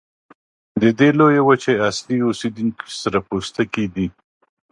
د دې لویې وچې اصلي اوسیدونکي سره پوستکي دي.